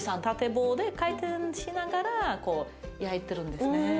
縦棒で回転しながら焼いてるんですね。